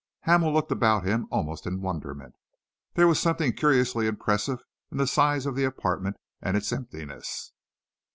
Hamel looked about him almost in wonderment. There was something curiously impressive in the size of the apartment and its emptiness.